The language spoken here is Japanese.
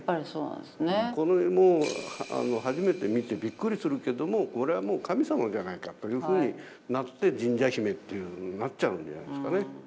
この絵も初めて見てびっくりするけどもこれはもう神様じゃないかというふうになって神社姫っていうふうになっちゃうんじゃないですかね。